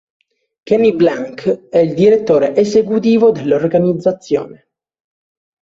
Kenny Blank è il direttore esecutivo dell'organizzazione.